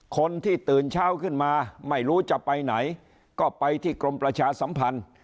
คนที่ตื่นเช้าขึ้นมาไม่รู้จะไปไหนก็ไปที่กรมประชาสัมพันธ์